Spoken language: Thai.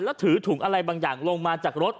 แล้วถือถุงอะไรบางอย่างลงมาจากรถ